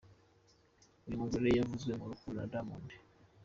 Uyu mugore yavuzwe mu rukundo na Diamond .